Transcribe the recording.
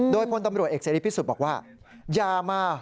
โดยพลตำรวจเอกเสรีพิสุทธิ์บอกว่าอย่ามา